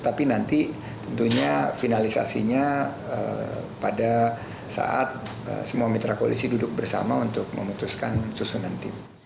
jadi tentunya finalisasinya pada saat semua mitra koalisi duduk bersama untuk memutuskan susunan tim